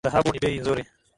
Dhahabu ni bei nzuri.